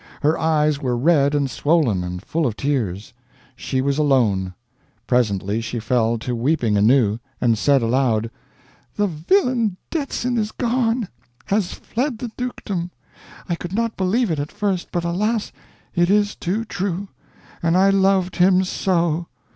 Her eyes were red and swollen and full of tears. She was alone. Presently she fell to weeping anew, and said aloud: "The villain Detzin is gone has fled the dukedom! I could not believe it at first, but alas! it is too true. And I loved him so.